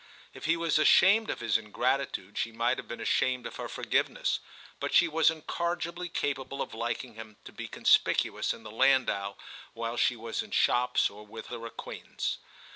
If he was ashamed of his ingratitude she might have been ashamed of her forgiveness; but she was incorrigibly capable of liking him to be conspicuous in the landau while she was in shops or with her acquaintance.